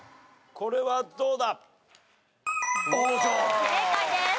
これはどうだ？